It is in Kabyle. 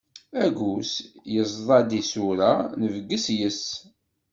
Aggus, yeẓḍa d isura, nbegges yes-s.